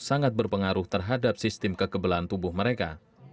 sangat berpengaruh terhadap sistem kekebalan tubuh mereka